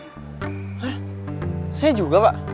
hah saya juga pak